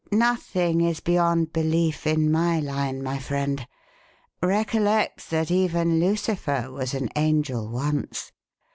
"Nothing is 'beyond belief' in my line, my friend. Recollect that even Lucifer was an angel once.